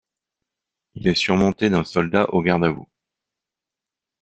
Il est surmonté d'un soldat au garde-à-vous.